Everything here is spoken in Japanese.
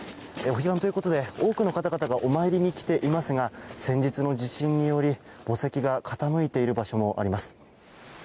お彼岸ということで多くの方々がお参りに来ていますが先日の地震により墓石が傾いている場所もあります。